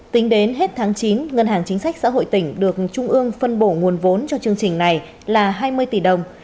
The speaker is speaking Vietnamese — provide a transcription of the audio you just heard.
tính đến hết tháng chín ngân hàng chính sách xã hội tỉnh được trung ương phân bổ nguồn vốn cho chương trình này là hai mươi tỷ đồng